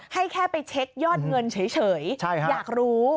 ให้แค่ไปเช็คยอดเงินเฉยอยากรู้